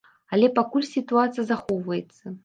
Але пакуль сітуацыя захоўваецца.